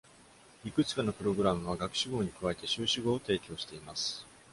いくつかのプログラムは、学士号に加えて修士号を提供しています。